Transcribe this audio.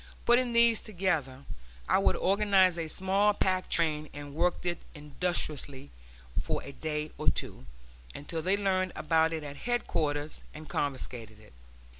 Putting these together, I would organize a small pack train and work it industriously for a day or two, until they learned about it at headquarters and confiscated it.